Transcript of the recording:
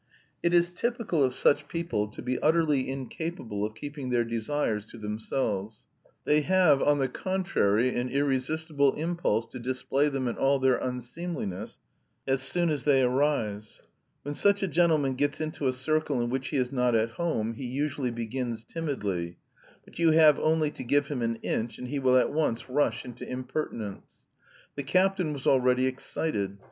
It is typical of such people to be utterly incapable of keeping their desires to themselves; they have, on the contrary, an irresistible impulse to display them in all their unseemliness as soon as they arise. When such a gentleman gets into a circle in which he is not at home he usually begins timidly, but you have only to give him an inch and he will at once rush into impertinence. The captain was already excited.